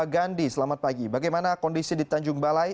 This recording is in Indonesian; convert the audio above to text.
gandhi selamat pagi bagaimana kondisi di tanjung balai